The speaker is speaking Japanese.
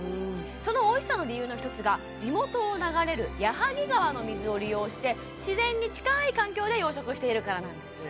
そのおいしさの理由の一つが地元を流れる矢作川の水を利用して自然に近い環境で養殖しているからなんです